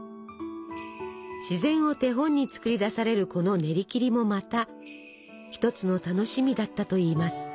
自然を手本に作り出されるこのねりきりもまた一つの楽しみだったといいます。